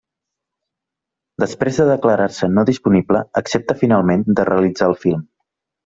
Després de declarar-se no disponible, accepta finalment de realitzar el film.